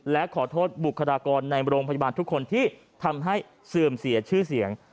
และขอโทษบุคลากรในโรงพยาบาลทุกคนที่ทำให้เสื่อมเสียชื่อเสียง